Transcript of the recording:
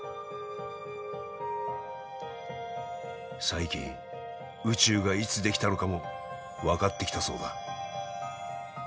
最近宇宙がいつ出来たのかも分かってきたそうだ。